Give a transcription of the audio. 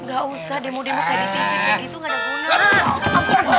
gak usah demo demo kayak tv kayak gitu gak ada guna